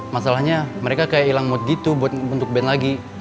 masalahnya mereka kayak hilang mood gitu buat band lagi